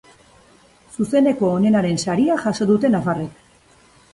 Zuzeneko onenaren saria jaso dute nafarrek.